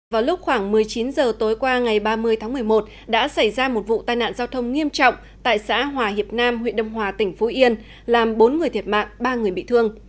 vào lúc khoảng một mươi chín h tối qua ngày ba mươi tháng một mươi một đã xảy ra một vụ tai nạn giao thông nghiêm trọng tại xã hòa hiệp nam huyện đông hòa tỉnh phú yên làm bốn người thiệt mạng ba người bị thương